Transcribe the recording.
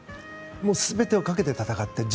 もう、全てをかけて戦っている。